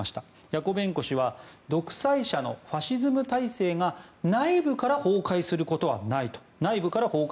ヤコベンコ氏は独裁者のファシズム体制が内部から崩壊することはないと。